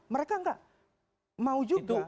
mereka tidak mau juga